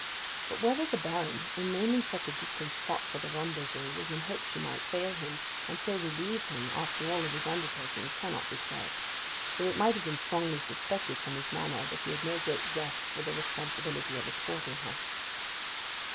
But whether the Baron, in naming such a distant spot for the rendezvous, was in hope she might fail him, and so relieve him after all of his undertaking, cannot be said; though it might have been strongly suspected from his manner that he had no great zest for the responsibility of escorting her.